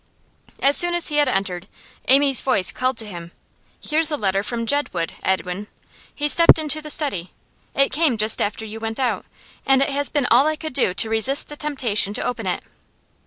As soon as he had entered, Amy's voice called to him: 'Here's a letter from Jedwood, Edwin!' He stepped into the study. 'It came just after you went out, and it has been all I could do to resist the temptation to open it.